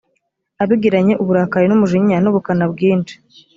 abigiranye uburakari n’umujinya n’ubukana bwinshi,